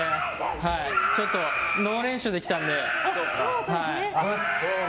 ちょっと、ノー練習で来たので。